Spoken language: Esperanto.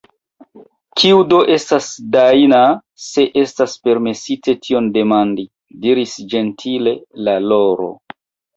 "Kiu do estas Dajna, se estas permesite tion demandi," diris ĝentile la Loro.